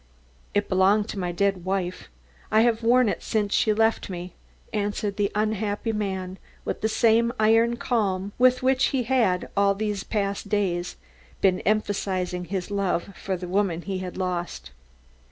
"It belonged to my dead wife. I have worn it since she left me," answered the unhappy man with the same iron calm with which he had, all these past days, been emphasizing his love for the woman he had lost.